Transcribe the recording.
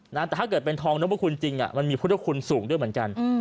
แต่ถ้าเกิดเป็นทองนพคุณจริงมันมีพุทธคุณสูงด้วยเหมือนกัน